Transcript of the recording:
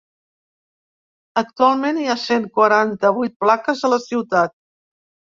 Actualment hi ha cent quaranta-vuit plaques a la ciutat.